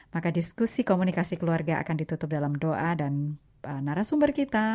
maka diskusi komunikasi keluarga akan ditutup dalam doa dan narasumber kita